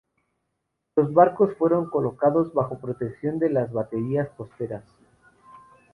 Los barcos fueron colocados bajo protección de las baterías costeras.